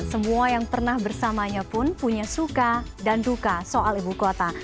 semua yang pernah bersamanya pun punya suka dan duka soal ibu kota